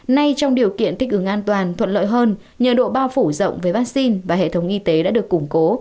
nay trong điều kiện thích ứng an toàn thuận lợi hơn nhờ độ bao phủ rộng với vaccine và hệ thống y tế đã được củng cố